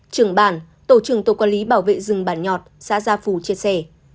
trưởng bản tổ trường tổ quản lý bảo vệ rừng bản nhọt xã gia phù chia sẻ